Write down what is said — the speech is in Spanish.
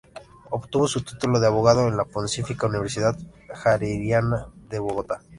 Obtuvo su título de abogado en la Pontificia Universidad Javeriana de Bogotá.